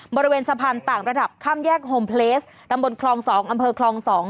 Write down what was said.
บริเวณสะพานต่างระดับข้ามแยกโฮมเพลสตำบลคลอง๒อำเภอคลอง๒